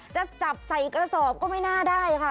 จะจับใส่กระสอบก็ไม่น่าได้ค่ะ